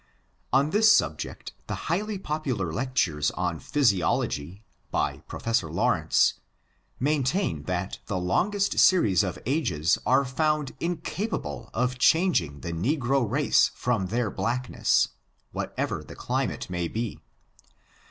On this subject, the highly popular lectures ou physiology, by Professor Lawrence, maintain that the longest series of ages are found incapable oi changing the negro race from their blackness, what ever the climate may be.